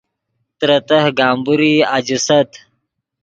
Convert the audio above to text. ترے تہہ گمبورئی اَجیست